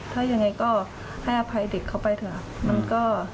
ถ้ายังไงก็ให้อภัยเด็กเขาไปเถอะครับ